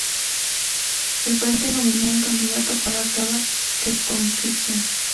El Frente nominó un candidato para cada circunscripción.